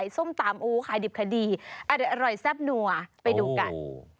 ส้มตำอู๋ขายดิบขายดีอร่อยแซ่บนัวไปดูกัน